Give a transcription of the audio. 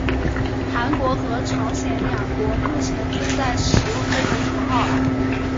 韩国和朝鲜两国目前正在使用这个符号。